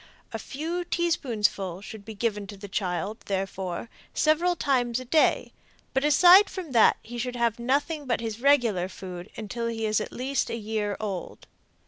A few teaspoonfuls should be given to the child, therefore, several times a day, but aside from that he should have nothing but his regular food until he is at least a year old.